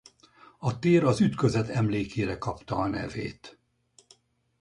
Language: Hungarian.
A tér az ütközet emlékére kapta a nevét.